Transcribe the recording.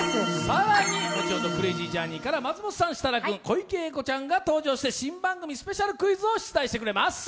更に後ほど「クレイジージャーニー」から松本さん、設楽君、小池栄子ちゃんが登場して、新番組スペシャルクイズを出題してくれます。